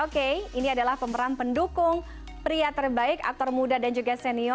oke ini adalah pemeran pendukung pria terbaik aktor muda dan juga senior